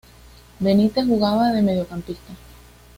Benítez jugaba de mediocampista.